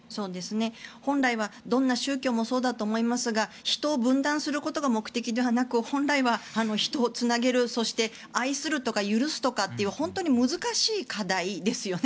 本来はどんな宗教もそうだと思いますが人を分断することが目的ではなく本来は人をつなげるそして愛するとか許すとかという本当に難しい課題ですよね。